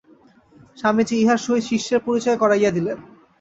স্বামীজী ইঁহার সহিত শিষ্যের পরিচয় করাইয়া দিলেন।